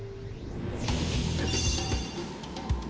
よし！